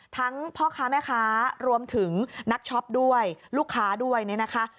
พ่อค้าแม่ค้ารวมถึงนักช็อปด้วยลูกค้าด้วยเนี่ยนะคะ